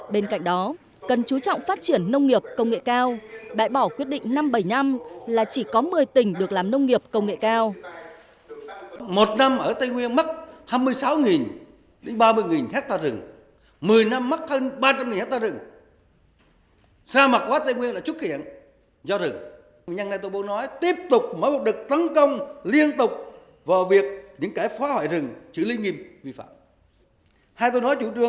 bên cạnh đó cần chú trọng phát triển nông nghiệp công nghệ cao bãi bỏ quyết định năm bảy năm là chỉ có một mươi tỉnh được làm nông nghiệp công nghệ cao